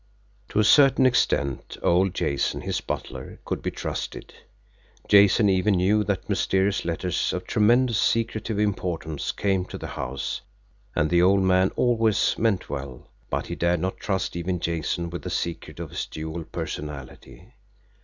To a certain extent, old Jason, his butler, could be trusted. Jason even knew that mysterious letters of tremendous secretive importance came to the house, and the old man always meant well but he dared not trust even Jason with the secret of his dual personality.